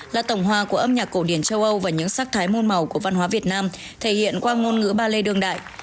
là tổng hòa của âm nhạc cổ điển châu âu và những sắc thái môn màu của văn hóa việt nam thể hiện qua ngôn ngữ ba lê đương đại